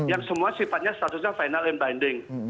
yang semua sifatnya statusnya final and binding